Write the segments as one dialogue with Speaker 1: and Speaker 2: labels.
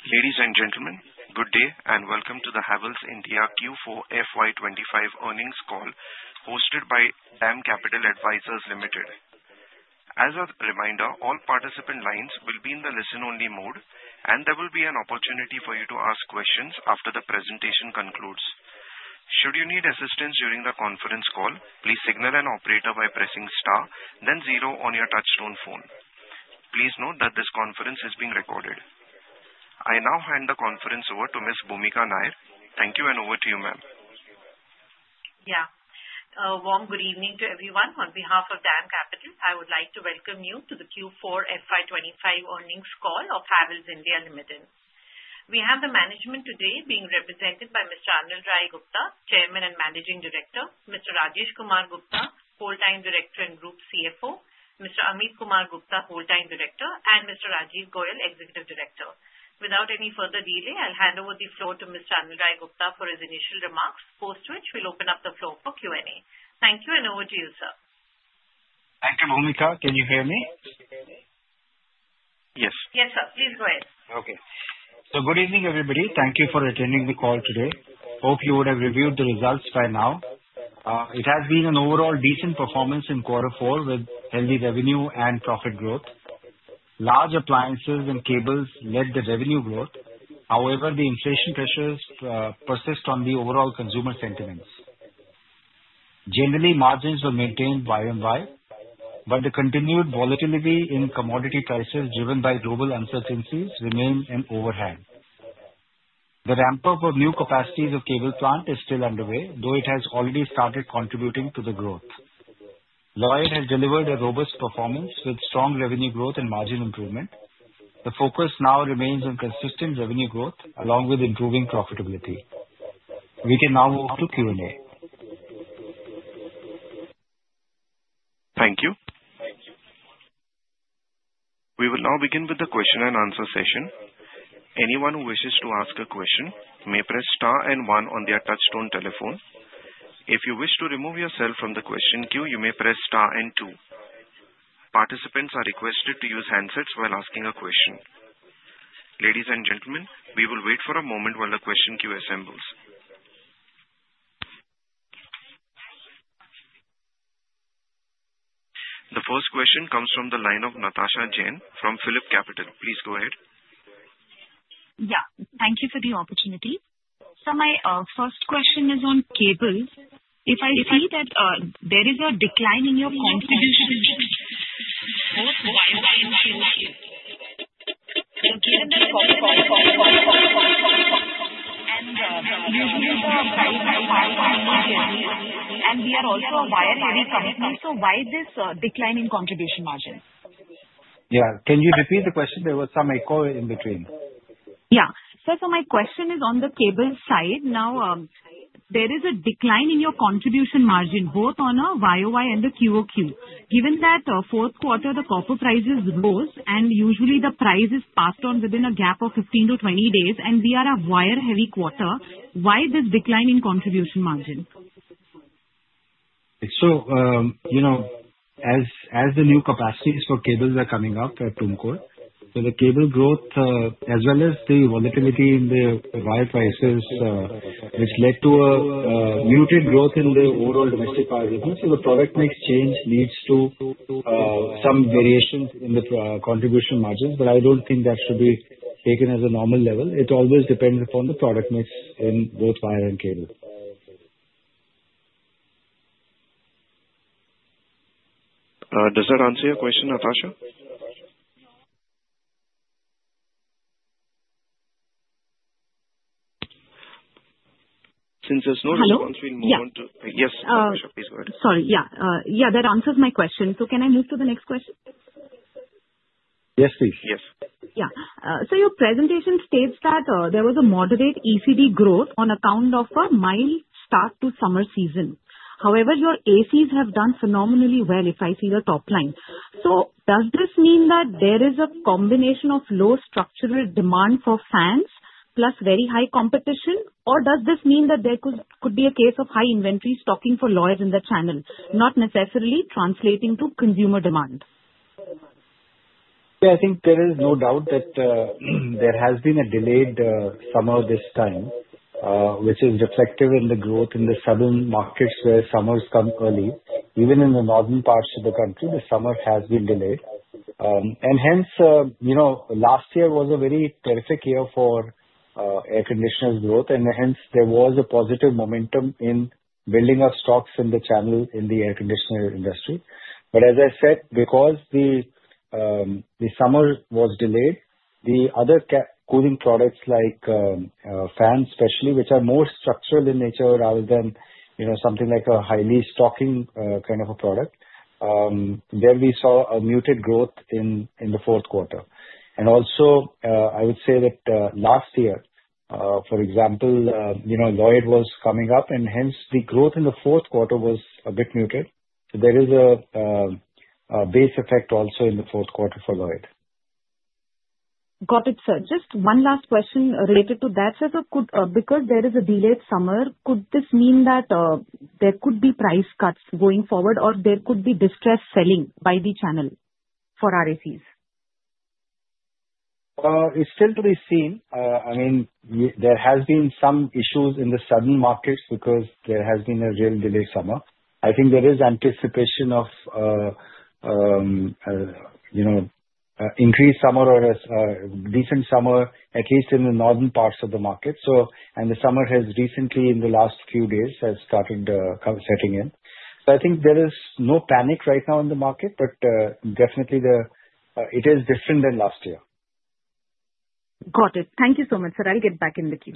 Speaker 1: Ladies and gentlemen, good day and welcome to the Havells India Q4 FY25 Earnings Call hosted by DAM Capital Advisors Limited. As a reminder, all participant lines will be in the listen-only mode, and there will be an opportunity for you to ask questions after the presentation concludes. Should you need assistance during the Conference Call, please signal an operator by pressing star, then zero on your touchstone phone. Please note that this Conference is being recorded. I now hand the Conference over to Ms. Bhoomika Nair. Thank you, and over to you, ma'am.
Speaker 2: Yeah. Warm good evening to everyone. On behalf of Dam Capital, I would like to welcome you to the Q4 FY25 earnings call of Havells India Limited. We have the management today being represented by Mr. Anil Rai Gupta, Chairman and Managing Director; Mr. Rajesh Kumar Gupta, Whole Time Director and Group CFO; Mr. Amit Kumar Gupta, Whole Time Director; and Mr. Rajiv Goel, Executive Director. Without any further delay, I'll hand over the floor to Mr. Anil Rai Gupta for his initial remarks, post which we'll open up the floor for Q&A. Thank you, and over to you, sir.
Speaker 3: Thank you, Bhoomika. Can you hear me?
Speaker 1: Yes.
Speaker 3: Yes.
Speaker 2: Yes, sir. Please go ahead.
Speaker 3: Okay. Good evening, everybody. Thank you for attending the call today. Hope you would have reviewed the results by now. It has been an overall decent performance in quarter four with healthy revenue and profit growth. Large appliances and cables led the revenue growth. However, the inflation pressures persist on the overall consumer sentiments. Generally, margins were maintained by and by, but the continued volatility in commodity prices driven by global uncertainties remained an overhang. The ramp-up of new capacities of cable plant is still underway, though it has already started contributing to the growth. Lloyd has delivered a robust performance with strong revenue growth and margin improvement. The focus now remains on consistent revenue growth along with improving profitability. We can now move to Q&A.
Speaker 1: Thank you. We will now begin with the question and answer session. Anyone who wishes to ask a question may press star and one on their touchstone telephone. If you wish to remove yourself from the question queue, you may press star and two. Participants are requested to use handsets while asking a question. Ladies and gentlemen, we will wait for a moment while the question queue assembles. The first question comes from the line of Natasha Jain from PhillipCapital. Please go ahead.
Speaker 4: Yeah. Thank you for the opportunity. My first question is on cables. If I see that, there is a decline in your contribution margin, both wire and by wire, so given the, and, usually the wire-heavy company, why this decline in contribution margin?
Speaker 3: Yeah. Can you repeat the question? There was some echo in between.
Speaker 4: Yeah. My question is on the cable side. Now, there is a decline in your contribution margin, both on a YoY and the QoQ. Given that, fourth quarter, the copper prices rose, and usually the price is passed on within a gap of 15 to 20 days, and we are a wire-heavy quarter, why this decline in contribution margin?
Speaker 3: You know, as the new capacities for cables are coming up at Tumkur, the cable growth, as well as the volatility in the wire prices, led to a muted growth in the overall domestic power business. The product mix change leads to some variation in the contribution margins, but I do not think that should be taken as a normal level. It always depends upon the product mix in both wire and cable.
Speaker 1: Does that answer your question, Natasha? Since there's no response, we'll move on to.
Speaker 4: Hello?
Speaker 1: Yes, Natasha, please go ahead.
Speaker 4: Sorry. Yeah, that answers my question. Can I move to the next question?
Speaker 3: Yes, please.
Speaker 1: Yes.
Speaker 4: Yeah. Your presentation states that there was a moderate ECD growth on account of a mild start to summer season. However, your ACs have done phenomenally well, if I see the top line. Does this mean that there is a combination of low structural demand for fans plus very high competition, or does this mean that there could be a case of high inventory stocking for Lloyd in the channel, not necessarily translating to consumer demand?
Speaker 3: Yeah. I think there is no doubt that there has been a delayed summer this time, which is reflective in the growth in the southern markets where summers come early. Even in the northern parts of the country, the summer has been delayed, and hence, you know, last year was a very terrific year for air conditioner growth, and hence there was a positive momentum in building up stocks in the channel in the air conditioner industry. As I said, because the summer was delayed, the other cooling products like fans especially, which are more structural in nature rather than, you know, something like a highly stocking kind of a product, there we saw a muted growth in the fourth quarter. I would say that, last year, for example, you know, Lloyd was coming up, and hence the growth in the fourth quarter was a bit muted. There is a base effect also in the fourth quarter for Lloyd.
Speaker 4: Got it, sir. Just one last question related to that. If it could, because there is a delayed summer, could this mean that there could be price cuts going forward, or there could be distressed selling by the channel for RACs?
Speaker 3: It's still to be seen. I mean, there has been some issues in the southern markets because there has been a real delayed summer. I think there is anticipation of, you know, increased summer or a decent summer, at least in the Northern parts of the market. The summer has recently, in the last few days, started setting in. I think there is no panic right now in the market, but definitely it is different than last year.
Speaker 4: Got it. Thank you so much, sir. I'll get back in with you.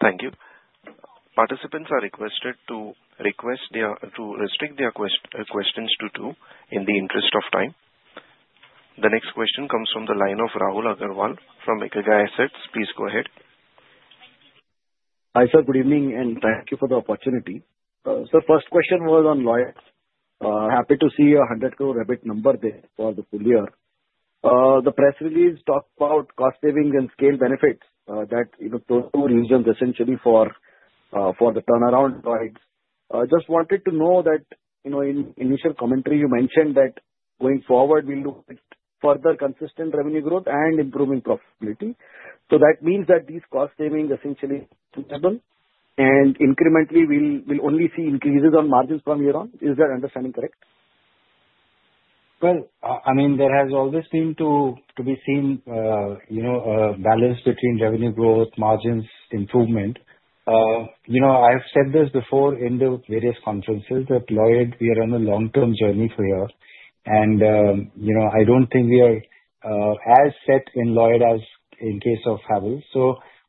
Speaker 1: Thank you. Participants are requested to restrict their questions to two in the interest of time. The next question comes from the line of Rahul Agarwal from Ambit Assets. Please go ahead.
Speaker 5: Hi, sir. Good evening, and thank you for the opportunity. First question was on Lloyd. Happy to see a 100 crore EBITDA number there for the full year. The press release talked about cost savings and scale benefits, that, you know, those two reasons essentially for the turnaround. Right. Just wanted to know that, you know, in initial commentary, you mentioned that going forward, we'll look at further consistent revenue growth and improving profitability. So that means that these cost savings essentially are suitable, and incrementally, we'll only see increases on margins from here on. Is that understanding correct?
Speaker 3: I mean, there has always been, you know, balance between revenue growth, margins, improvement. You know, I've said this before in the various conferences that Lloyd, we are on a long-term journey for a year, and, you know, I don't think we are as set in Lloyd as in case of Havells.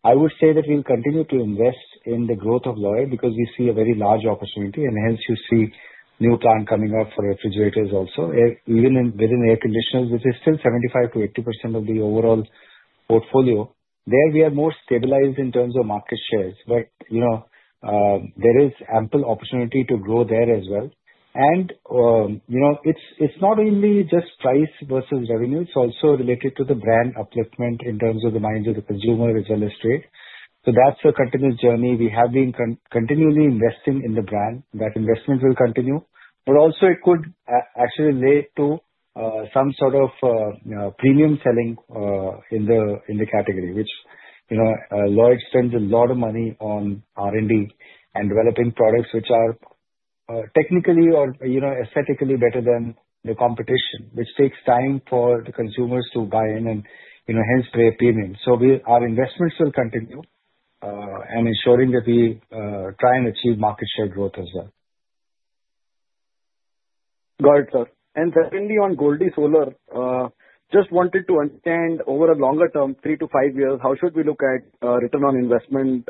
Speaker 3: I would say that we'll continue to invest in the growth of Lloyd because we see a very large opportunity, and hence you see new plant coming up for refrigerators also. Even within air conditioners, which is still 75-80% of the overall portfolio, there we are more stabilized in terms of market shares. You know, there is ample opportunity to grow there as well. You know, it's not only just price versus revenue. It's also related to the brand upliftment in terms of the minds of the consumer as well as trade. That is a continuous journey. We have been continually investing in the brand. That investment will continue, but also it could actually lead to, some sort of, premium selling in the category, which, you know, Lloyd spends a lot of money on R&D and developing products which are, technically or, you know, aesthetically better than the competition, which takes time for the consumers to buy in and, you know, hence pay a premium. Our investments will continue, and ensuring that we try and achieve market share growth as well.
Speaker 5: Got it, sir. Secondly, on Goldi Solar, just wanted to understand over a longer term, three to five years, how should we look at return on investment,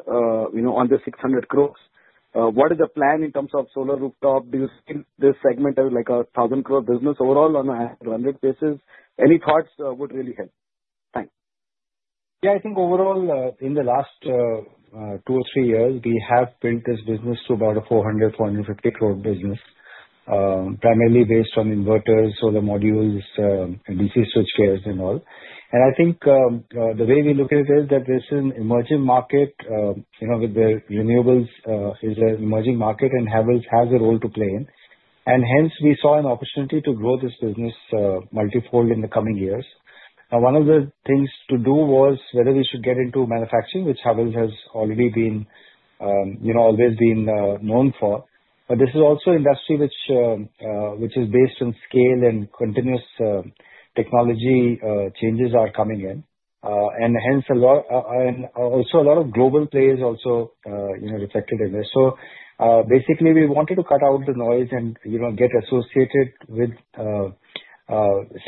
Speaker 5: you know, on the 600 crore? What is the plan in terms of solar rooftop? Do you see this segment as like a 1,000 crore business overall on a 100 basis? Any thoughts, would really help. Thanks.
Speaker 3: Yeah. I think overall, in the last two or three years, we have built this business to about a 400 crore-450 crore business, primarily based on inverters, solar modules, DC switchgears, and all. I think the way we look at it is that this is an emerging market, you know, with the renewables, is an emerging market, and Havells has a role to play in. Hence we saw an opportunity to grow this business, multifold in the coming years. Now, one of the things to do was whether we should get into manufacturing, which Havells has already been, you know, always been, known for. This is also an industry which is based on scale and continuous technology changes are coming in. Hence a lot and also a lot of global play is also, you know, reflected in this. Basically, we wanted to cut out the noise and, you know, get associated with,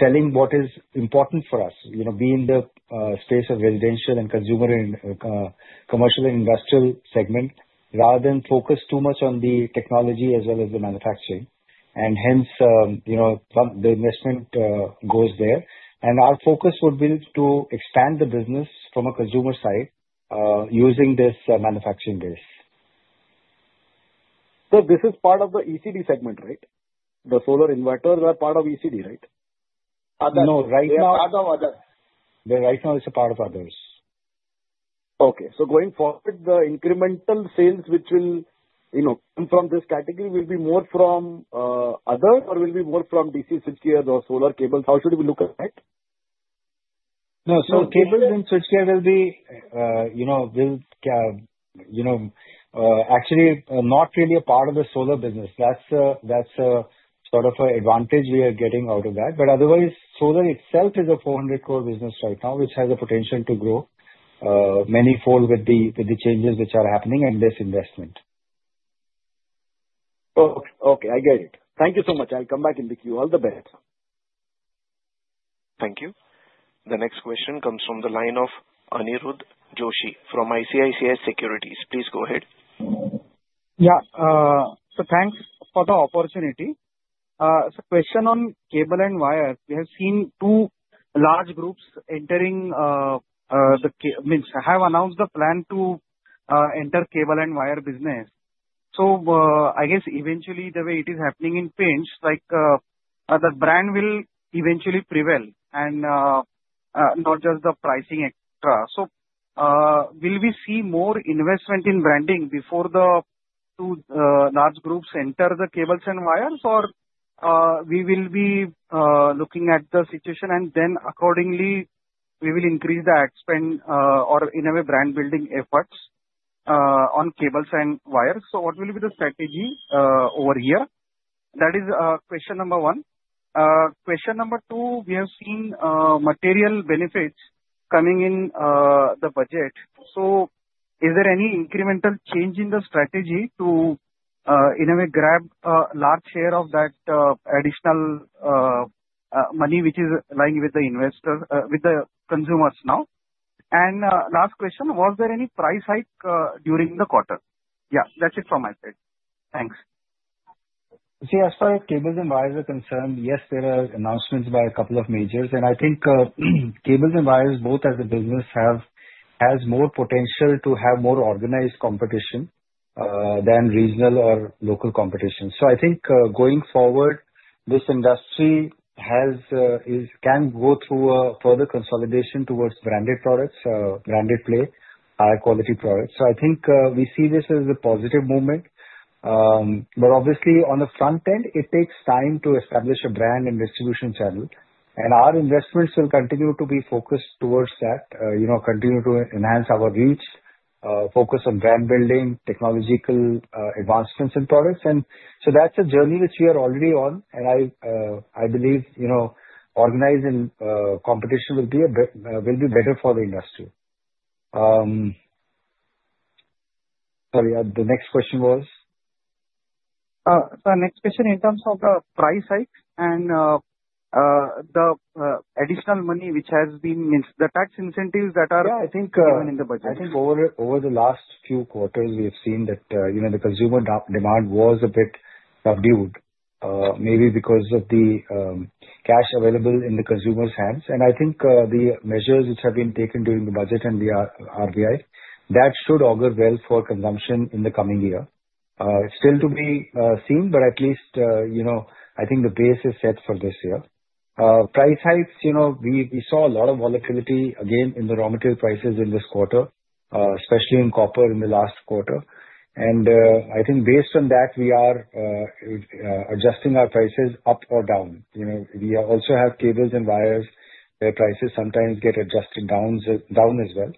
Speaker 3: selling what is important for us, you know, being the, space of residential and consumer and, commercial and industrial segment, rather than focus too much on the technology as well as the manufacturing. Hence, you know, the investment, goes there. Our focus would be to expand the business from a consumer side, using this manufacturing base.
Speaker 5: This is part of the ECD segment, right? The solar inverters are part of ECD, right? Are they?
Speaker 3: No. Right now.
Speaker 5: It's part of others.
Speaker 3: Right now it's a part of others.
Speaker 5: Okay. Going forward, the incremental sales which will, you know, come from this category will be more from others or will be more from DC switchgears or solar cables? How should we look at that?
Speaker 3: No. Cables and switchgear will, you know, actually not really be a part of the solar business. That is a sort of an advantage we are getting out of that. Otherwise, solar itself is an 400 crore business right now, which has a potential to grow many-fold with the changes which are happening and this investment.
Speaker 5: Oh, okay. I get it. Thank you so much. I'll come back in with you. All the best.
Speaker 1: Thank you. The next question comes from the line of Aniruddha Joshi from ICICI Securities. Please go ahead.
Speaker 6: Yeah, thanks for the opportunity. Question on cable and wire. We have seen two large groups entering, I mean, have announced the plan to enter cable and wire business. I guess eventually the way it is happening in pinch, like, the brand will eventually prevail and not just the pricing extra. Will we see more investment in branding before the two large groups enter the cables and wires, or will we be looking at the situation and then accordingly we will increase the expense, or in a way brand building efforts, on cables and wires? What will be the strategy over here? That is question number one. Question number two, we have seen material benefits coming in the budget. Is there any incremental change in the strategy to, in a way grab a large share of that additional money which is lying with the investor, with the consumers now? Last question, was there any price hike during the quarter? Yeah. That's it from my side. Thanks.
Speaker 3: See, as far as cables and wires are concerned, yes, there are announcements by a couple of majors. I think cables and wires, both as a business, have more potential to have more organized competition than regional or local competition. I think, going forward, this industry can go through a further consolidation towards branded products, branded play, high-quality products. I think we see this as a positive movement. Obviously, on the front end, it takes time to establish a brand and distribution channel. Our investments will continue to be focused towards that, you know, continue to enhance our reach, focus on brand building, technological advancements in products. That is a journey which we are already on. I believe, you know, organized competition will be better for the industry. Sorry, the next question was?
Speaker 6: Next question in terms of price hikes and the additional money which has been, means the tax incentives that are.
Speaker 3: Yeah. I think. Given in the budget. I think over the last few quarters, we have seen that, you know, the consumer demand was a bit subdued, maybe because of the cash available in the consumer's hands. I think the measures which have been taken during the budget and the RBI, that should augur well for consumption in the coming year. Still to be seen, but at least, you know, I think the base is set for this year. Price hikes, you know, we saw a lot of volatility again in the raw material prices in this quarter, especially in copper in the last quarter. I think based on that, we are adjusting our prices up or down. You know, we also have cables and wires where prices sometimes get adjusted down as well.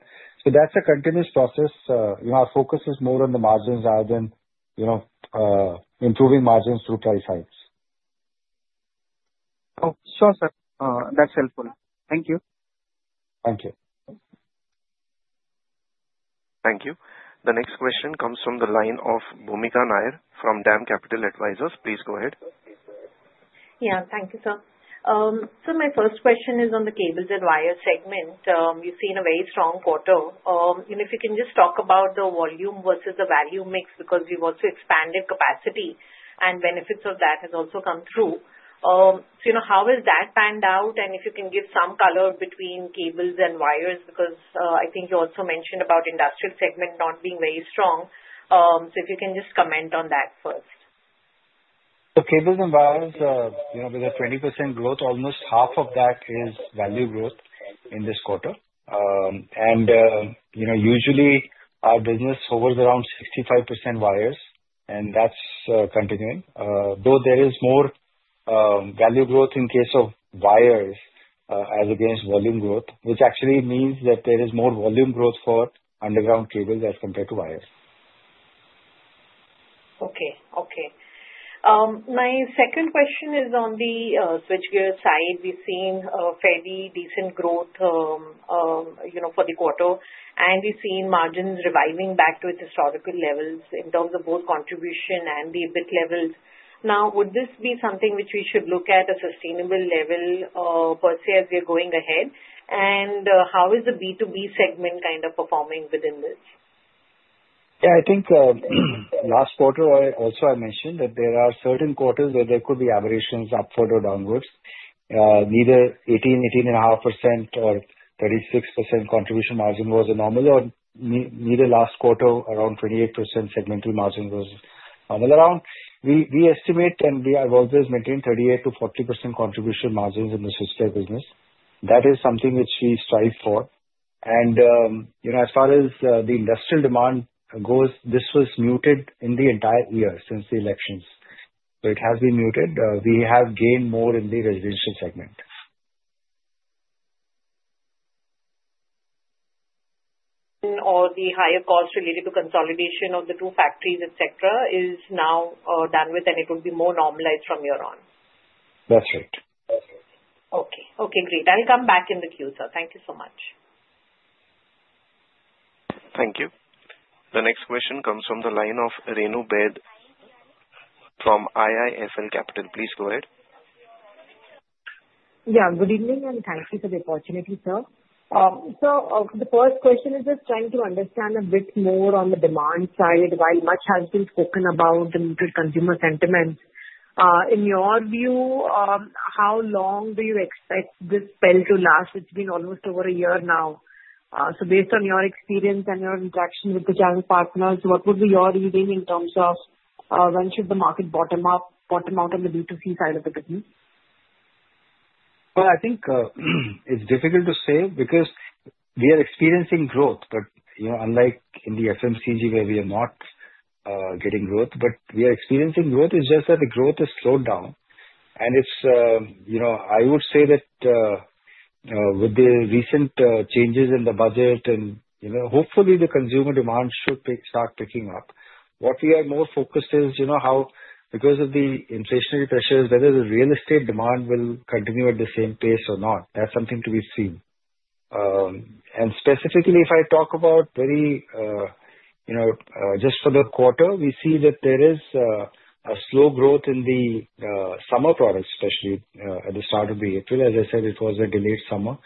Speaker 3: That is a continuous process. you know, our focus is more on the margins rather than, you know, improving margins through price hikes.
Speaker 6: Oh, sure, sir. That's helpful. Thank you.
Speaker 3: Thank you.
Speaker 1: Thank you. The next question comes from the line of Bhoomika Nair from DAM Capital Advisors Limited. Please go ahead.
Speaker 2: Yeah. Thank you, sir. My first question is on the cables and wires segment. You've seen a very strong quarter. If you can just talk about the volume versus the value mix because we've also expanded capacity and benefits of that has also come through. You know, how has that panned out? If you can give some color between cables and wires because I think you also mentioned about industrial segment not being very strong. If you can just comment on that first.
Speaker 3: Cables and wires, you know, with a 20% growth, almost half of that is value growth in this quarter. You know, usually our business hovers around 65% wires, and that's continuing. Though there is more value growth in case of wires, as against volume growth, which actually means that there is more volume growth for underground cables as compared to wires.
Speaker 2: Okay. Okay. My second question is on the switchgear side. We've seen fairly decent growth, you know, for the quarter, and we've seen margins reviving back to its historical levels in terms of both contribution and the EBITDA levels. Now, would this be something which we should look at a sustainable level, per se as we're going ahead? And, how is the B2B segment kind of performing within this?
Speaker 3: Yeah. I think last quarter, I also mentioned that there are certain quarters where there could be aberrations upward or downward. Neither 18-18.5% nor 36% contribution margin was normal, or neither last quarter around 28% segmental margin was normal. We estimate and we have always maintained 38-40% contribution margins in the switchgear business. That is something which we strive for. And, you know, as far as the industrial demand goes, this was muted in the entire year since the elections. It has been muted. We have gained more in the residential segment.
Speaker 2: Or the higher cost related to consolidation of the two factories, etc., is now done with, and it will be more normalized from here on?
Speaker 3: That's right.
Speaker 2: Okay. Okay. Great. I'll come back in with you, sir. Thank you so much.
Speaker 1: Thank you. The next question comes from the line of Renu Baid from IIFL Capital. Please go ahead.
Speaker 7: Yeah. Good evening and thank you for the opportunity, sir. Sir, the first question is just trying to understand a bit more on the demand side. While much has been spoken about the muted consumer sentiment, in your view, how long do you expect this spell to last? It's been almost over a year now. So based on your experience and your interaction with the general partners, what would be your reading in terms of, when should the market bottom up, bottom out on the B2C side of the business?
Speaker 3: I think it's difficult to say because we are experiencing growth, but, you know, unlike in the FMCG where we are not getting growth. But we are experiencing growth, it's just that the growth has slowed down. You know, I would say that with the recent changes in the budget and, you know, hopefully the consumer demand should start picking up. What we are more focused on is, you know, how because of the inflationary pressures, whether the real estate demand will continue at the same pace or not. That's something to be seen. Specifically, if I talk about very, you know, just for the quarter, we see that there is a slow growth in the summer products, especially at the start of April. As I said, it was a delayed summer.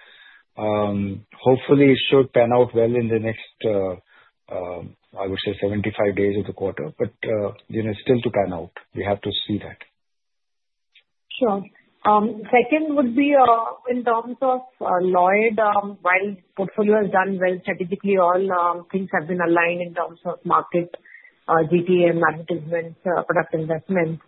Speaker 3: Hopefully it should pan out well in the next, I would say, 75 days of the quarter. You know, it's still to pan out. We have to see that.
Speaker 7: Sure. Second would be, in terms of Lloyd, while portfolio has done well strategically, all things have been aligned in terms of market, GTM advertisements, product investments.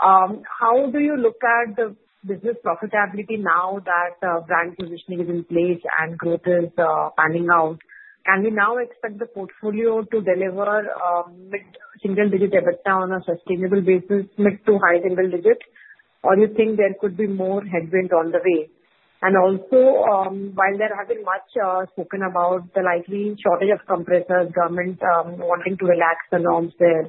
Speaker 7: How do you look at the business profitability now that brand positioning is in place and growth is panning out? Can we now expect the portfolio to deliver mid single digit EBITDA on a sustainable basis, mid to high single digit? Or do you think there could be more headwinds on the way? Also, while there has not been much spoken about the likely shortage of compressors, government wanting to relax the norms there.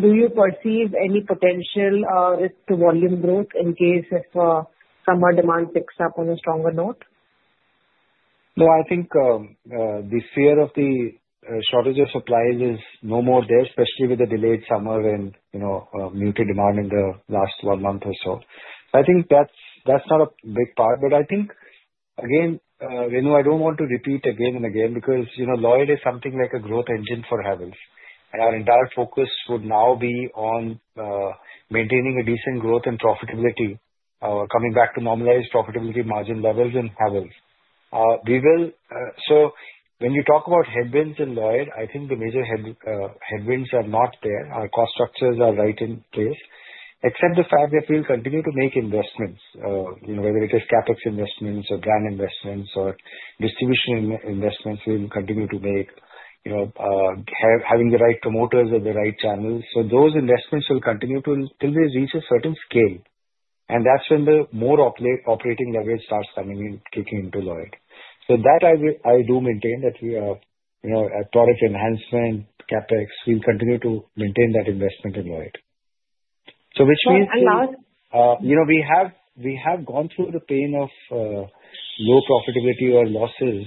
Speaker 7: Do you perceive any potential risk to volume growth in case if summer demand picks up on a stronger note?
Speaker 3: No, I think the fear of the shortage of supplies is no more there, especially with the delayed summer when, you know, muted demand in the last one month or so. I think that's not a big part. I think, again, Renu, I don't want to repeat again and again because, you know, Lloyd is something like a growth engine for Havells. Our entire focus would now be on maintaining a decent growth and profitability, coming back to normalized profitability margin levels in Havells. We will, so when you talk about headwinds in Lloyd, I think the major headwind, headwinds are not there. Our cost structures are right in place. Except the fact that we'll continue to make investments, you know, whether it is CapEx investments or brand investments or distribution investments, we will continue to make, you know, having the right promoters at the right channels. Those investments will continue till they reach a certain scale. That is when the more operating leverage starts coming in, kicking into Lloyd. I do maintain that we are, you know, at product enhancement, CapEx, we'll continue to maintain that investment in Lloyd, which means.
Speaker 2: and Lloyd?
Speaker 3: You know, we have gone through the pain of low profitability or losses,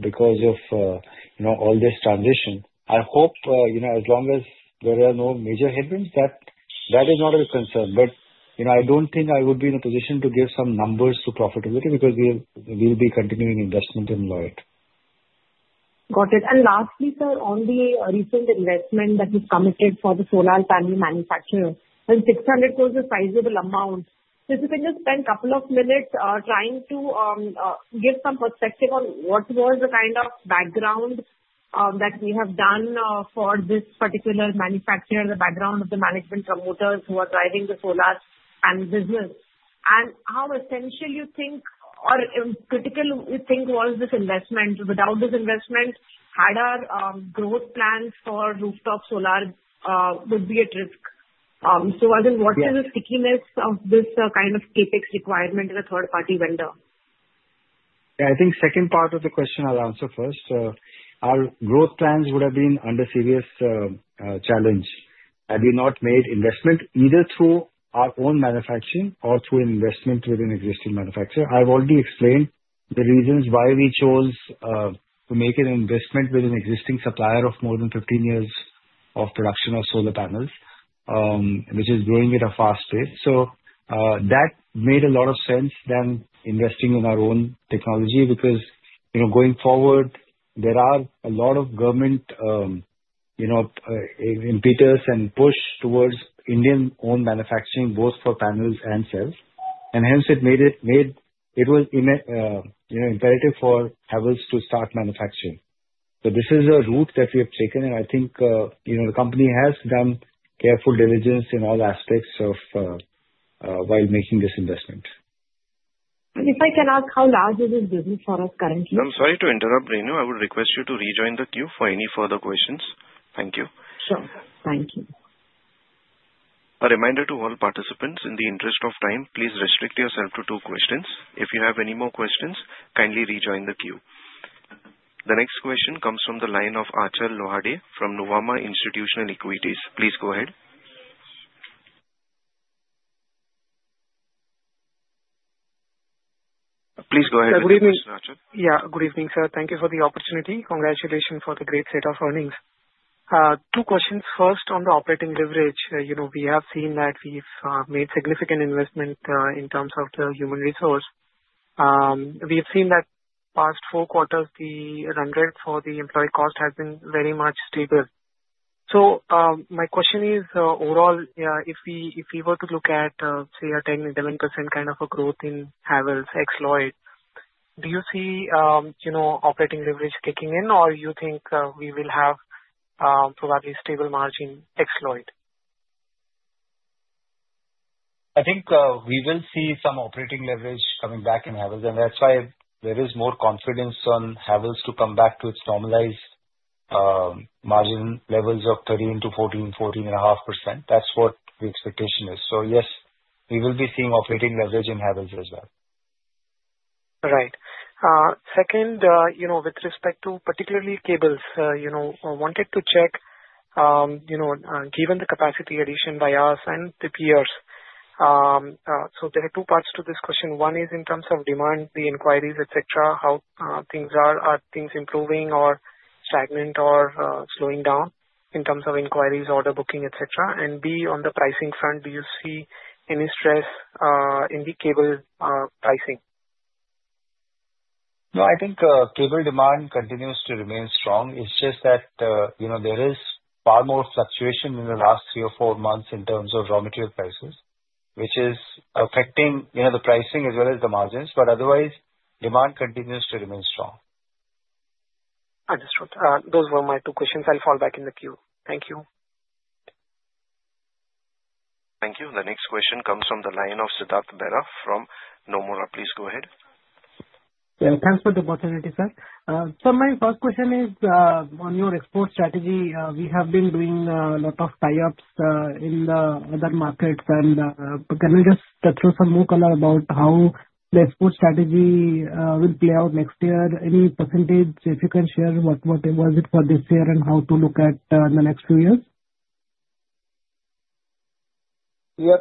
Speaker 3: because of, you know, all this transition. I hope, you know, as long as there are no major headwinds, that is not a concern. You know, I do not think I would be in a position to give some numbers to profitability because we will be continuing investment in Lloyd.
Speaker 2: Got it. Lastly, sir, on the recent investment that you've committed for the solar panel manufacturer, when 600 crore was the size of the amount, if you can just spend a couple of minutes, trying to give some perspective on what was the kind of background that we have done for this particular manufacturer, the background of the management promoters who are driving the solar panel business. How essential you think, or critical you think was this investment? Without this investment, had our growth plan for rooftop solar would be at risk? What is the stickiness of this kind of CapEx requirement in a third-party vendor?
Speaker 3: Yeah. I think second part of the question I'll answer first. Our growth plans would have been under serious challenge had we not made investment either through our own manufacturing or through investment with an existing manufacturer. I've already explained the reasons why we chose to make an investment with an existing supplier of more than 15 years of production of solar panels, which is growing at a fast pace. That made a lot of sense than investing in our own technology because, you know, going forward, there are a lot of government, you know, impetus and push towards Indian-owned manufacturing, both for panels and cells. Hence it was imperative for Havells to start manufacturing. This is a route that we have taken, and I think, you know, the company has done careful diligence in all aspects of, while making this investment.
Speaker 7: If I can ask how large is this business for us currently?
Speaker 1: I'm sorry to interrupt, Renu. I would request you to rejoin the queue for any further questions. Thank you.
Speaker 7: Sure. Thank you.
Speaker 1: A reminder to all participants, in the interest of time, please restrict yourself to two questions. If you have any more questions, kindly rejoin the queue. The next question comes from the line of Achal Lohade from Nuvama Institutional Equities. Please go ahead. Please go ahead, Mr. Achal.
Speaker 8: Good evening. Yeah. Good evening, sir. Thank you for the opportunity. Congratulations for the great set of earnings. Two questions. First, on the operating leverage. You know, we have seen that we've made significant investment in terms of the human resource. We have seen that past four quarters, the run rate for the employee cost has been very much stable. My question is, overall, if we were to look at, say, a 10-11% kind of a growth in Havells, ex-Lloyd, do you see, you know, operating leverage kicking in, or you think we will have probably stable margin ex-Lloyd?
Speaker 3: I think, we will see some operating leverage coming back in Havells, and that's why there is more confidence on Havells to come back to its normalized margin levels of 13% to 14%, 14.5%. That's what the expectation is. Yes, we will be seeing operating leverage in Havells as well.
Speaker 8: Right. Second, you know, with respect to particularly cables, you know, I wanted to check, you know, given the capacity addition by us and the peers, so there are two parts to this question. One is in terms of demand, the inquiries, etc., how, things are, are things improving or stagnant or slowing down in terms of inquiries, order booking, etc.? And B, on the pricing front, do you see any stress, in the cable, pricing?
Speaker 3: No, I think cable demand continues to remain strong. It's just that, you know, there is far more fluctuation in the last three or four months in terms of raw material prices, which is affecting, you know, the pricing as well as the margins. Otherwise, demand continues to remain strong.
Speaker 8: Understood. Those were my two questions. I'll fall back in the queue. Thank you.
Speaker 1: Thank you. The next question comes from the line of Siddhartha Bera from Nomura. Please go ahead.
Speaker 9: Yeah. Thanks for the opportunity, sir. Sir, my first question is, on your export strategy. We have been doing a lot of tie-ups in the other markets. Can you just throw some more color about how the export strategy will play out next year? Any percentage, if you can share, what it was for this year and how to look at the next few years?
Speaker 10: Yeah.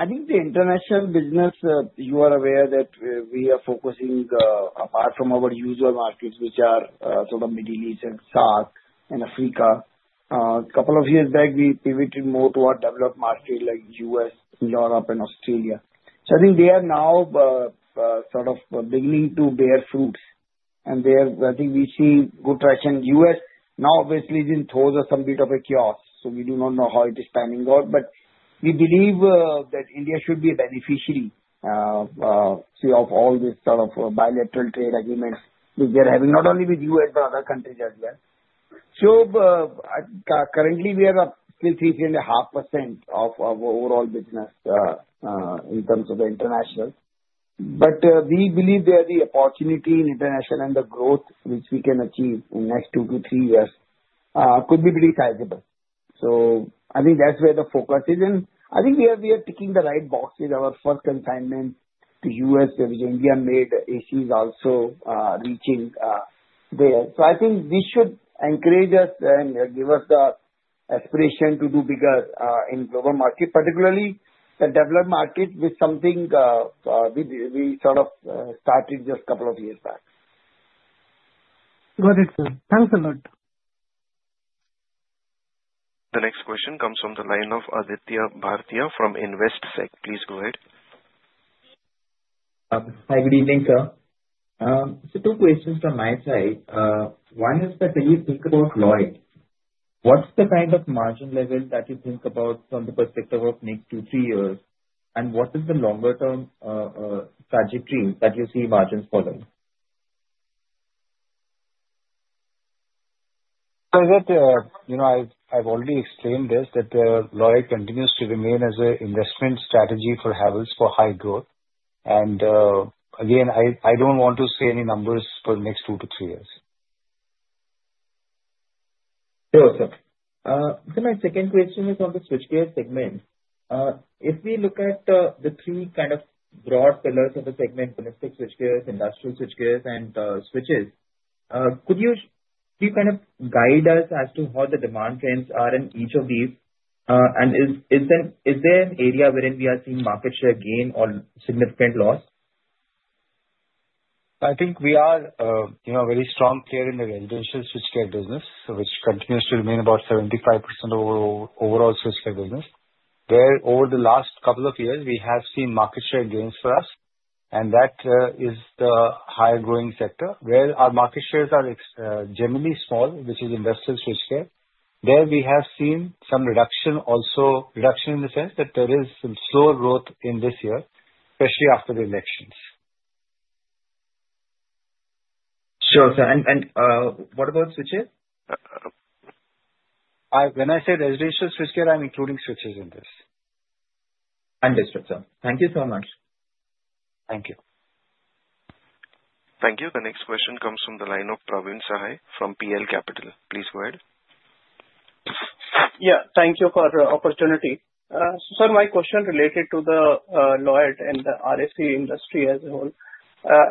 Speaker 10: I think the international business, you are aware that, we are focusing, apart from our usual markets, which are, sort of Middle East and South and Africa. A couple of years back, we pivoted more toward developed markets like the U.S., Europe, and Australia. I think they are now, sort of, beginning to bear fruits. They have, I think we see good traction. U.S. now, obviously, is in throes of some bit of a chaos. We do not know how it is panning out. We believe that India should be a beneficiary, see of all this sort of, bilateral trade agreements which they're having not only with the U.S. but other countries as well. Currently we are up to 13.5% of our overall business, in terms of the international. We believe there is the opportunity in international and the growth which we can achieve in the next two to three years could be pretty sizable. I think that's where the focus is. I think we are ticking the right box with our first consignment to U.S., which India made. AC is also reaching there. I think this should encourage us and give us the aspiration to do bigger in global market, particularly the developed market with something we sort of started just a couple of years back.
Speaker 9: Got it, sir. Thanks a lot.
Speaker 1: The next question comes from the line of Aditya Bhartia from Investec. Please go ahead.
Speaker 11: Hi, good evening, sir. Two questions from my side. One is that when you think about Lloyd, what's the kind of margin level that you think about from the perspective of next two, three years? What is the longer-term trajectory that you see margins following?
Speaker 3: I have already explained this, that Lloyd continues to remain as an investment strategy for Havells for high growth. Again, I do not want to say any numbers for the next two to three years.
Speaker 11: Sure, sir. My second question is on the switchgear segment. If we look at the three kind of broad pillars of the segment, domestic switchgears, industrial switchgears, and switches, could you kind of guide us as to how the demand trends are in each of these? Is there an area wherein we are seeing market share gain or significant loss?
Speaker 3: I think we are, you know, very strong player in the residential switchgear business, which continues to remain about 75% of our overall switchgear business, where over the last couple of years, we have seen market share gains for us. That is the higher-growing sector, where our market shares are, generally small, which is industrial switchgear. There we have seen some reduction, also reduction in the sense that there is some slower growth in this year, especially after the elections.
Speaker 11: Sure, sir. And what about switches?
Speaker 3: I when I say residential switchgear, I'm including switches in this.
Speaker 11: Understood, sir. Thank you so much.
Speaker 3: Thank you.
Speaker 1: Thank you. The next question comes from the line of Praveen Sahay from PL Capital. Please go ahead.
Speaker 12: Yeah. Thank you for the opportunity. Sir, my question related to the Lloyd and the RAC industry as a whole.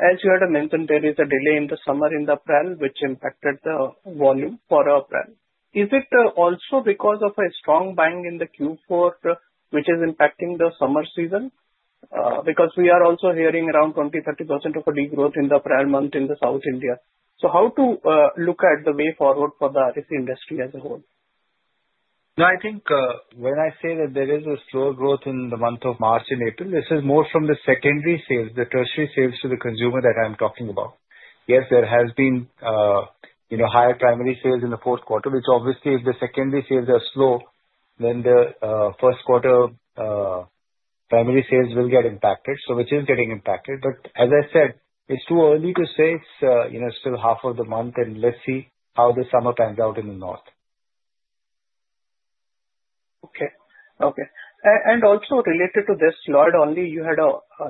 Speaker 12: As you had mentioned, there is a delay in the summer in the pre-season, which impacted the volume for pre-season. Is it also because of a strong buying in the Q4, which is impacting the summer season? Because we are also hearing around 20-30% of a degrowth in the pre-season month in South India. How to look at the way forward for the RAC industry as a whole?
Speaker 3: No, I think, when I say that there is a slower growth in the month of March and April, this is more from the secondary sales, the tertiary sales to the consumer that I'm talking about. Yes, there has been, you know, higher primary sales in the fourth quarter, which obviously, if the secondary sales are slow, then the first quarter primary sales will get impacted, which is getting impacted. As I said, it's too early to say, it's, you know, still half of the month, and let's see how the summer pans out in the North.
Speaker 13: Okay. Okay. And also related to this, Lloyd, only you had,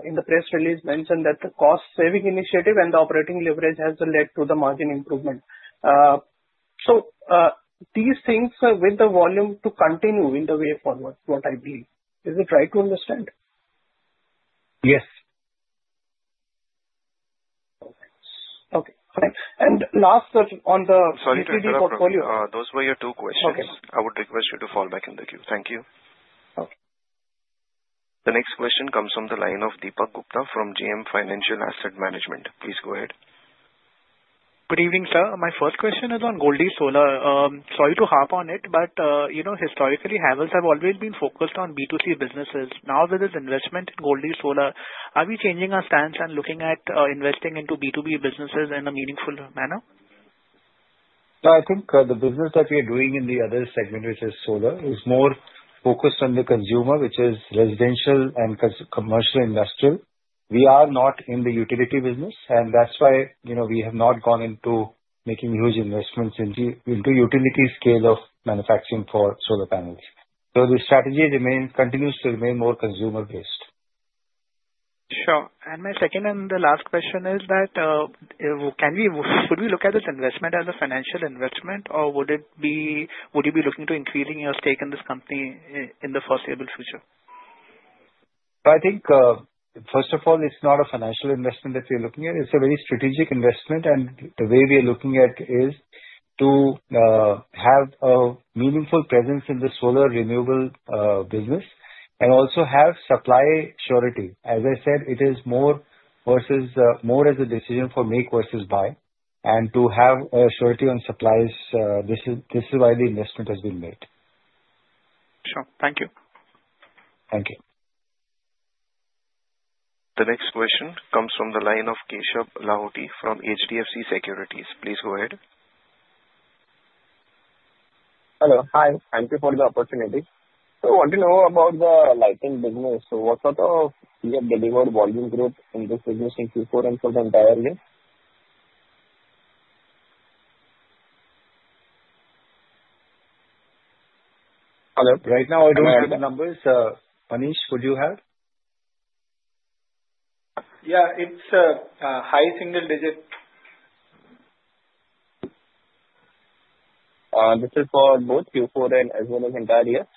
Speaker 13: in the press release, mentioned that the cost-saving initiative and the operating leverage has led to the margin improvement. So, these things with the volume to continue in the way forward, what I believe. Is it right to understand?
Speaker 3: Yes.
Speaker 13: Okay. Okay. Fine. Last, sir, on the EPD portfolio.
Speaker 1: Sorry to interrupt. Those were your two questions.
Speaker 12: Okay.
Speaker 1: I would request you to fall back in the queue. Thank you.
Speaker 12: Okay.
Speaker 1: The next question comes from the line of Deepak Gupta from JM Financial Asset Management. Please go ahead.
Speaker 14: Good evening, sir. My first question is on Goldi Solar. Sorry to harp on it, but, you know, historically, Havells have always been focused on B2C businesses. Now, with this investment in Gold Solar, are we changing our stance and looking at, investing into B2B businesses in a meaningful manner?
Speaker 3: No, I think the business that we are doing in the other segment, which is solar, is more focused on the consumer, which is residential and commercial industrial. We are not in the utility business, and that's why, you know, we have not gone into making huge investments into utility scale of manufacturing for solar panels. The strategy continues to remain more consumer-based.
Speaker 13: Sure. My second and the last question is that, should we look at this investment as a financial investment, or would you be looking to increasing your stake in this company in the foreseeable future?
Speaker 3: I think, first of all, it's not a financial investment that we're looking at. It's a very strategic investment, and the way we are looking at it is to have a meaningful presence in the solar renewable business and also have supply surety. As I said, it is more versus, more as a decision for make versus buy. And to have a surety on supplies, this is why the investment has been made.
Speaker 14: Sure. Thank you.
Speaker 3: Thank you.
Speaker 1: The next question comes from the line of Keshav Lahoti from HDFC Securities. Please go ahead.
Speaker 15: Hello. Hi. Thank you for the opportunity. I want to know about the lighting business. What sort of delivered volume growth in this business in Q4 and for the entire year?
Speaker 3: Hello. Right now, I don't have the numbers. Amit, would you have?
Speaker 13: Yeah. It's high single digit.
Speaker 15: This is for both Q4 and as well as entire year?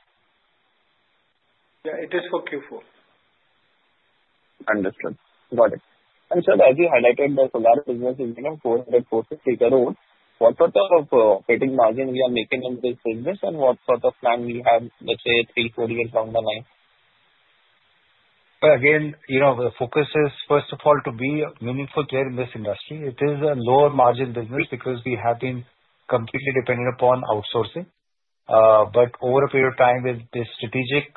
Speaker 13: Yeah. It is for Q4.
Speaker 15: Understood. Got it. Sir, as you highlighted, the solar business is, you know, 400-450 crore. What sort of operating margin are we making in this business, and what sort of plan do we have, let's say, three-four years down the line?
Speaker 3: Again, you know, the focus is, first of all, to be a meaningful player in this industry. It is a lower-margin business because we have been completely dependent upon outsourcing. But over a period of time with the strategic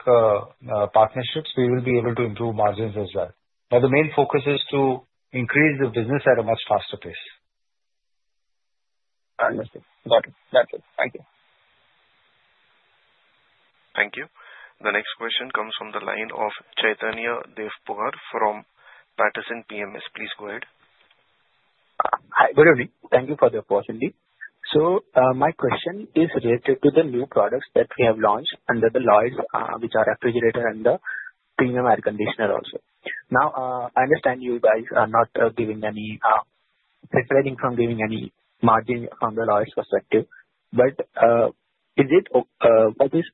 Speaker 3: partnerships, we will be able to improve margins as well. Now, the main focus is to increase the business at a much faster pace.
Speaker 15: Understood. Got it. That's it. Thank you.
Speaker 1: Thank you. The next question comes from the line of Chaitanya Devpohar from Patronus PMS. Please go ahead.
Speaker 16: Hi, good evening. Thank you for the opportunity. My question is related to the new products that we have launched under the Lloyd, which are refrigerator and the premium air conditioner also. Now, I understand you guys are not giving any, refraining from giving any margin from the Lloyd perspective. What is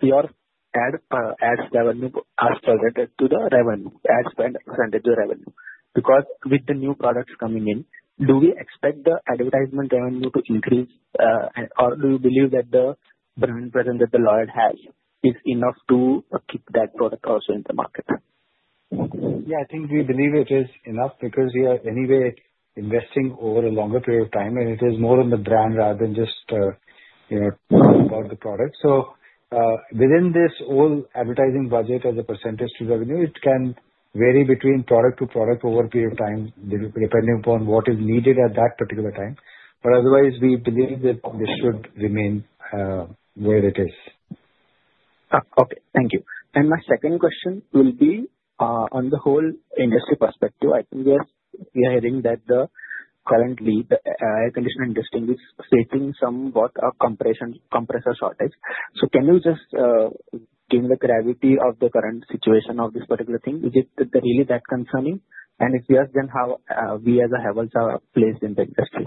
Speaker 16: your ad, ads revenue as related to the revenue, ad spend percentage of revenue? Because with the new products coming in, do we expect the advertisement revenue to increase, and or do you believe that the brand presence that the Lloyd has is enough to keep that product also in the market?
Speaker 3: Yeah. I think we believe it is enough because we are anyway investing over a longer period of time, and it is more on the brand rather than just, you know, talking about the product. Within this whole advertising budget as a percentage to revenue, it can vary between product to product over a period of time, depending upon what is needed at that particular time. Otherwise, we believe that this should remain where it is.
Speaker 16: Okay. Thank you. My second question will be, on the whole industry perspective. I think, yes, we are hearing that currently, the air conditioner industry is facing somewhat a compressor shortage. Can you just give me the gravity of the current situation of this particular thing? Is it really that concerning? If yes, then how, we as Havells are placed in the industry?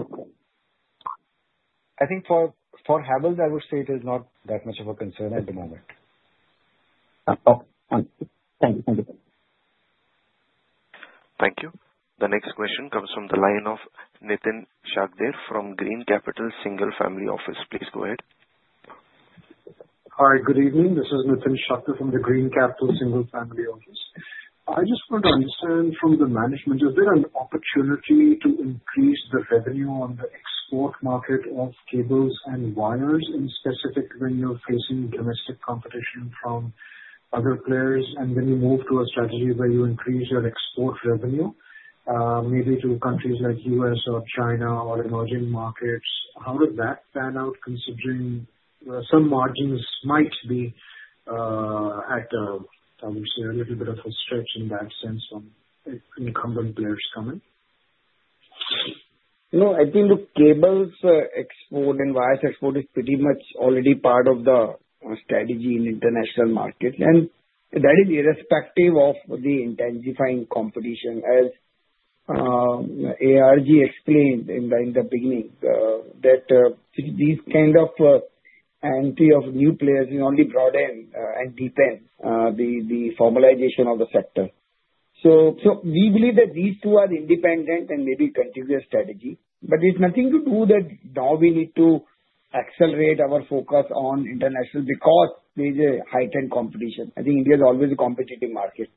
Speaker 3: I think for Havells, I would say it is not that much of a concern at the moment.
Speaker 16: Okay. Thank you.
Speaker 3: Thank you.
Speaker 1: Thank you. The next question comes from the line of Nitin Shakdher from Green Capital Single Family Office. Please go ahead.
Speaker 17: Hi, good evening. This is Nitin Shakdher from the Green Capital Single Family Office. I just want to understand from the management, is there an opportunity to increase the revenue on the export market of cables and wires in specific when you're facing domestic competition from other players? When you move to a strategy where you increase your export revenue, maybe to countries like the U.S. or China or emerging markets, how does that pan out considering some margins might be, at, I would say, a little bit of a stretch in that sense on incumbent players coming?
Speaker 18: You know, I think the cables export and wires export is pretty much already part of the strategy in international markets. That is irrespective of the intensifying competition, as ARG explained in the beginning, that these kind of entry of new players we only brought in and deepened the formalization of the sector. We believe that these two are independent and maybe continuous strategy. It has nothing to do that now we need to accelerate our focus on international because there is a heightened competition. I think India is always a competitive market.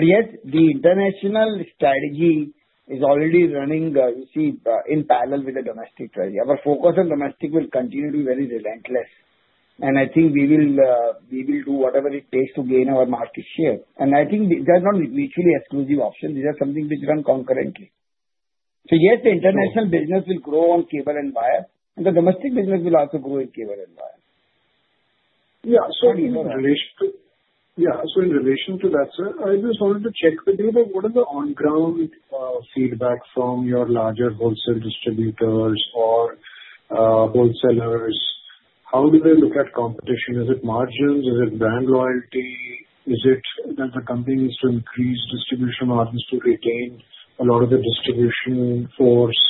Speaker 18: Yet, the international strategy is already running, you see, in parallel with the domestic strategy. Our focus on domestic will continue to be very relentless. I think we will do whatever it takes to gain our market share. I think these are not mutually exclusive options. These are something which run concurrently. Yes, the international business will grow on cable and wire, and the domestic business will also grow in cable and wire.
Speaker 17: Yeah, in.
Speaker 18: Sorry.
Speaker 17: In relation to that, sir, I just wanted to check with you, what is the on-ground feedback from your larger wholesale distributors or wholesalers? How do they look at competition? Is it margins? Is it brand loyalty? Is it that the company needs to increase distribution margins to retain a lot of the distribution force?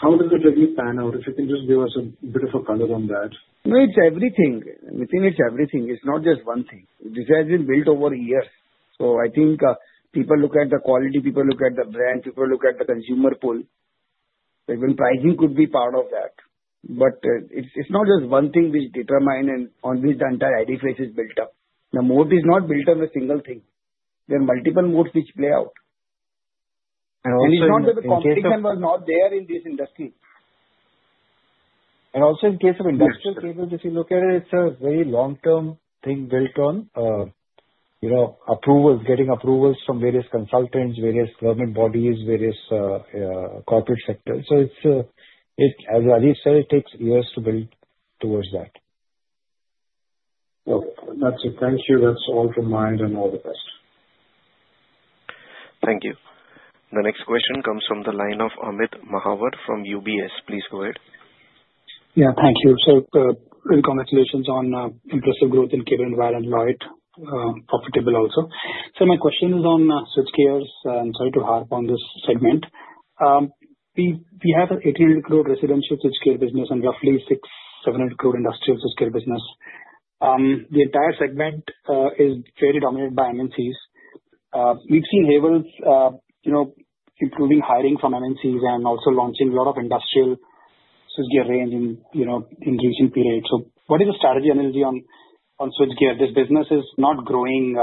Speaker 17: How does it really pan out? If you can just give us a bit of a color on that.
Speaker 18: No, it's everything. Nitin, it's everything. It's not just one thing. This has been built over years. I think people look at the quality. People look at the brand. People look at the consumer pool. Even pricing could be part of that. It's not just one thing which determines and on which the entire ID phrase is built up. The moat is not built on a single thing. There are multiple moats which play out.
Speaker 3: And also.
Speaker 18: It is not that the competition was not there in this industry.
Speaker 3: Also, in case of industrial cables, if you look at it, it's a very long-term thing built on, you know, approvals, getting approvals from various consultants, various government bodies, various corporate sectors. It, as Anil said, takes years to build towards that.
Speaker 17: Okay. That's it. Thank you. That's all from my end, and all the best.
Speaker 1: Thank you. The next question comes from the line of Amit Mahawar from UBS. Please go ahead.
Speaker 19: Yeah. Thank you. Really, congratulations on impressive growth in cable and wire and Lloyd, profitable also. Sir, my question is on switchgears. I'm sorry to harp on this segment. We have a 1,800 crore residential switchgear business and roughly 6,700 crore industrial switchgear business. The entire segment is very dominated by MNCs. We've seen Havells, you know, improving hiring from MNCs and also launching a lot of industrial switchgear range in, you know, in recent period. What is the strategy analogy on switchgear? This business is not growing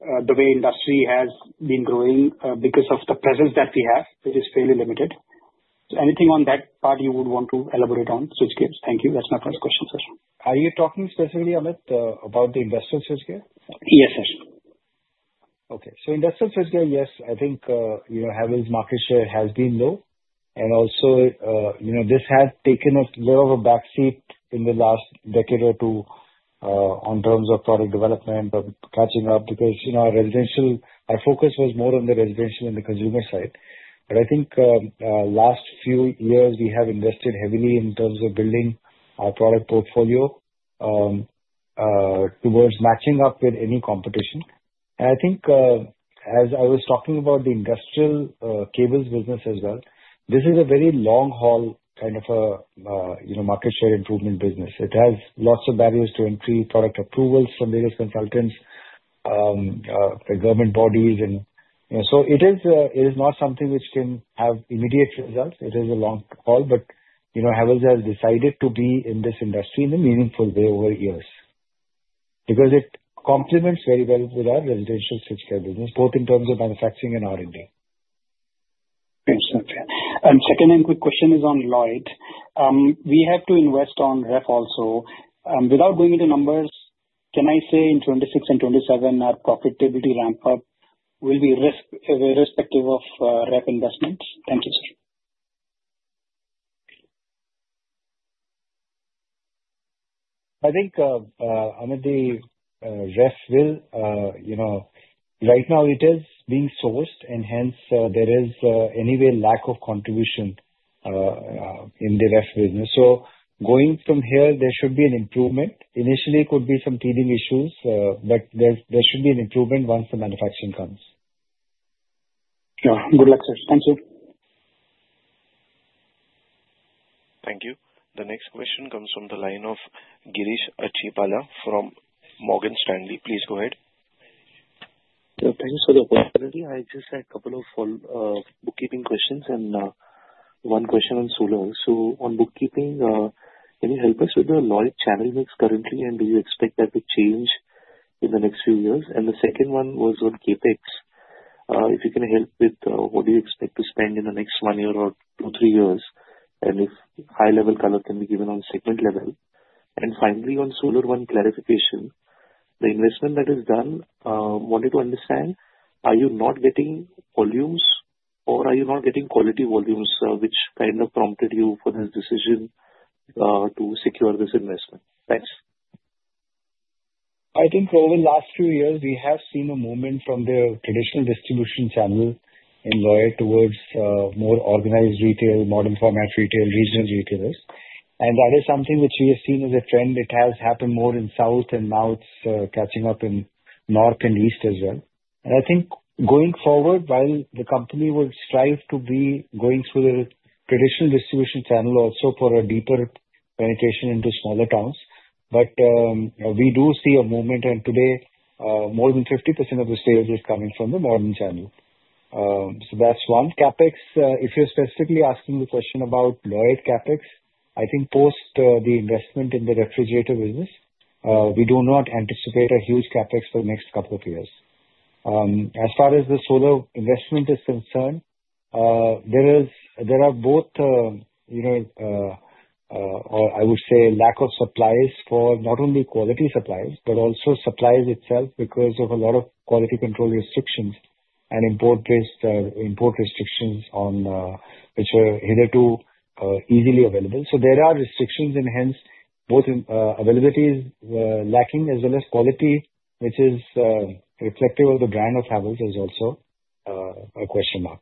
Speaker 19: the way industry has been growing, because of the presence that we have, which is fairly limited. Anything on that part you would want to elaborate on switchgears? Thank you. That's my first question, sir.
Speaker 3: Are you talking specifically, Amit, about the industrial switchgear?
Speaker 19: Yes, sir.
Speaker 3: Okay. Industrial switchgear, yes, I think, you know, Havells' market share has been low. Also, you know, this has taken a bit of a backseat in the last decade or two, in terms of product development, of catching up because, you know, our focus was more on the residential and the consumer side. I think, the last few years, we have invested heavily in terms of building our product portfolio, towards matching up with any competition. I think, as I was talking about the industrial, cables business as well, this is a very long-haul kind of a, you know, market share improvement business. It has lots of barriers to entry, product approvals from various consultants, the government bodies and, you know, so it is not something which can have immediate results. It is a long haul, but, you know, Havells has decided to be in this industry in a meaningful way over years because it complements very well with our residential switchgear business, both in terms of manufacturing and R&D.
Speaker 19: Excellent. Second quick question is on Lloyd. We have to invest on ref also. Without going into numbers, can I say in 2026 and 2027, our profitability ramp-up will be risk irrespective of ref investments? Thank you, sir.
Speaker 3: I think, Amit, ref will, you know, right now it is being sourced, and hence, there is, anyway, lack of contribution in the ref business. Going from here, there should be an improvement. Initially, it could be some teething issues, but there should be an improvement once the manufacturing comes.
Speaker 19: Yeah. Good luck, sir. Thank you.
Speaker 1: Thank you. The next question comes from the line of Girish Achhipalia from Morgan Stanley. Please go ahead.
Speaker 20: Yeah. Thanks for the opportunity. I just had a couple of bookkeeping questions and one question on solar. On bookkeeping, can you help us with the Lloyd channel mix currently, and do you expect that to change in the next few years? The second one was on CapEx. If you can help with what you expect to spend in the next one year or two, three years, and if high-level color can be given on segment level? Finally, on solar, one clarification. The investment that is done, wanted to understand, are you not getting volumes, or are you not getting quality volumes, which kind of prompted you for this decision to secure this investment? Thanks.
Speaker 3: I think over the last few years, we have seen a movement from the traditional distribution channel in Lloyd towards more organized retail, modern-format retail, regional retailers. That is something which we have seen as a trend. It has happened more in South, and now it is catching up in North and East as well. I think going forward, while the company would strive to be going through the traditional distribution channel also for a deeper penetration into smaller towns, we do see a movement. Today, more than 50% of the sales is coming from the modern channel. That is one. CapEx, if you are specifically asking the question about Lloyd CapEx, I think post the investment in the refrigerator business, we do not anticipate a huge CapEx for the next couple of years. As far as the solar investment is concerned, there is, there are both, you know, or I would say lack of supplies for not only quality supplies but also supplies itself because of a lot of quality control restrictions and import-based, import restrictions on, which are hitherto easily available. There are restrictions, and hence, both, availability is lacking as well as quality, which is, reflective of the brand of Havells is also, a question mark.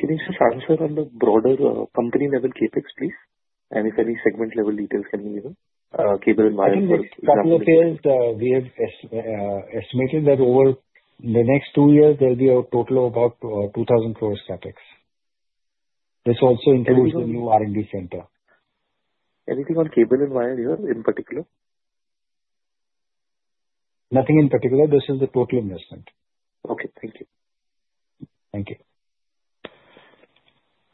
Speaker 20: Can you just answer on the broader, company-level CapEx, please? And if any segment-level details can be given? Cables and wires for example.
Speaker 3: In particular, we have estimated that over the next two years, there'll be a total of about 2,000 crore CapEx. This also includes the new R&D center.
Speaker 20: Anything on cable and wire here in particular?
Speaker 3: Nothing in particular. This is the total investment.
Speaker 20: Okay. Thank you.
Speaker 3: Thank you.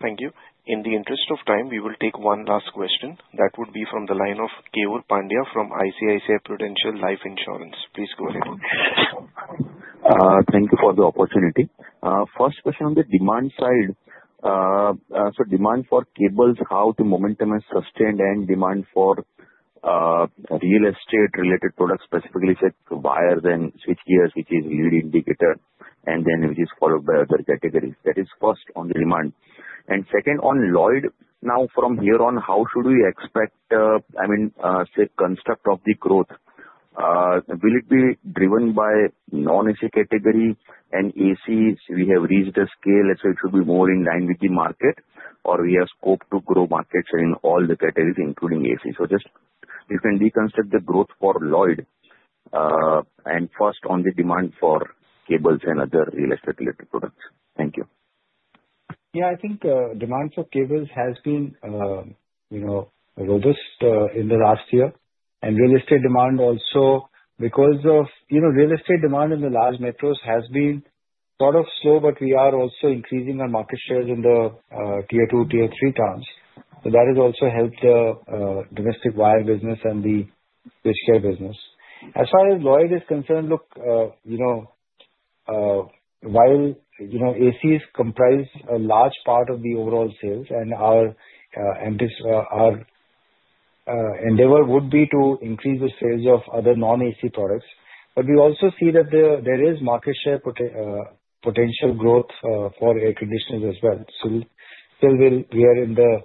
Speaker 1: Thank you. In the interest of time, we will take one last question. That would be from the line of Keyur Pandya from ICICI Prudential Life Insurance. Please go ahead.
Speaker 21: Thank you for the opportunity. First question on the demand side, so demand for cables, how the momentum is sustained, and demand for real estate-related products, specifically said wires and switchgears, which is lead indicator, and then which is followed by other categories. That is first on the demand. Second, on Lloyd, now from here on, how should we expect, I mean, say, construct of the growth? Will it be driven by non-AC category? And AC, we have reached a scale, let's say it should be more in line with the market, or we have scope to grow markets in all the categories, including AC? Just if you can deconstruct the growth for Lloyd, and first on the demand for cables and other real estate-related products. Thank you.
Speaker 3: Yeah. I think, demand for cables has been, you know, robust, in the last year. And real estate demand also because of, you know, real estate demand in the large metros has been sort of slow, but we are also increasing our market shares in the, Tier 2, Tier 3 towns. That has also helped the, domestic wire business and the switchgear business. As far as Lloyd is concerned, look, you know, while, you know, ACs comprise a large part of the overall sales, and our, endeavor would be to increase the sales of other non-AC products. We also see that there, there is market share potential growth, for air conditioners as well. Still, we are in the,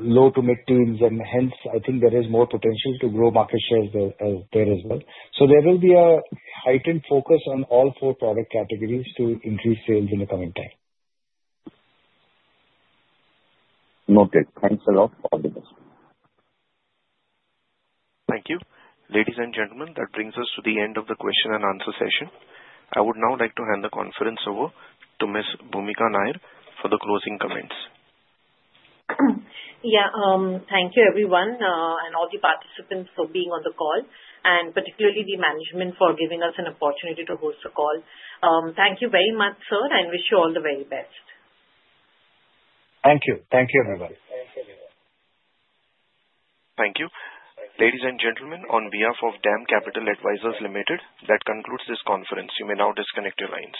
Speaker 3: low to mid-teens, and hence, I think there is more potential to grow market shares there as well. There will be a heightened focus on all four product categories to increase sales in the coming time.
Speaker 21: Okay. Thanks a lot for the question.
Speaker 1: Thank you. Ladies and gentlemen, that brings us to the end of the question and answer session. I would now like to hand the conference over to Ms. Bhoomika Nair for the closing comments.
Speaker 2: Yeah. Thank you, everyone, and all the participants for being on the call, and particularly the management for giving us an opportunity to host the call. Thank you very much, sir, and wish you all the very best.
Speaker 3: Thank you. Thank you, everyone.
Speaker 1: Thank you. Ladies and gentlemen, on behalf of DAM Capital Advisors Limited, that concludes this conference. You may now disconnect your lines.